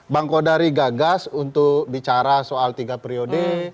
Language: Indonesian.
bang kodari gagas untuk bicara soal tiga periode